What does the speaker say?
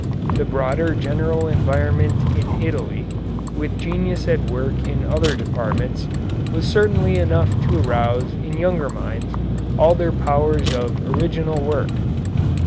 The broader general environment in Italy, with genius at work in other departments, was certainly enough to arouse in younger minds all their powers of original work.